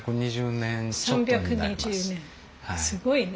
すごいね。